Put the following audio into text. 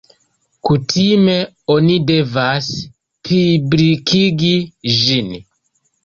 Kutime oni devas publikigi ĝin.